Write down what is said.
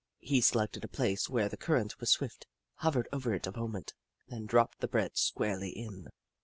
He selected a place where the current was swift, hovered over it a moment, then dropped the bread squarely in.